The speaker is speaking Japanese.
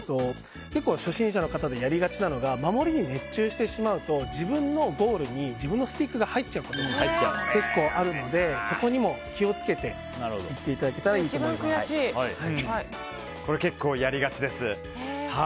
結構、初心者の方でやりがちなのが守りに熱中してしまうと自分のゴールに自分のスティックが入ってしまうことが結構あるのでそこにも気を付けていっていただけたらこれは結構やりがちです。